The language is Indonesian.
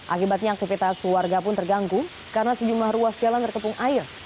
akibatnya aktivitas warga pun terganggu karena sejumlah ruas jalan terkepung air